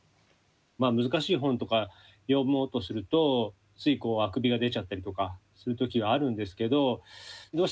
難しい本とか読もうとするとついあくびが出ちゃったりとかする時があるんですけどどうしてあくび出ちゃうのかなと思って。